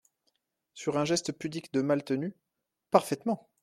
Sur un geste pudique de Maltenu. … parfaitement !…